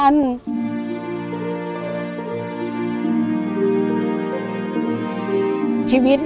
คนอื่นก็ตบปลูกไฟใช้เก็บพลุกในนี้